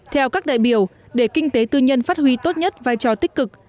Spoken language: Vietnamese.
theo các đại biểu để kinh tế tư nhân phát huy tốt nhất vai trò tích cực